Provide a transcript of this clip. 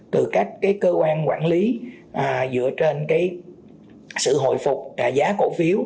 từ các cơ quan quản lý dựa trên sự hồi phục giá cổ phiếu